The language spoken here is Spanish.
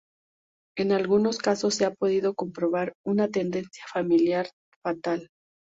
En algunos casos se ha podido comprobar una tendencia familiar fatal.